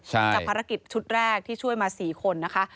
จากภารกิจชุดแรกที่ช่วยมา๔คนนะคะ